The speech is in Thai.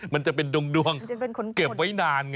มันจะเป็นดวงเก็บไว้นานไง